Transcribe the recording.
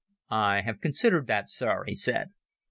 "I have considered that, Sir," he said.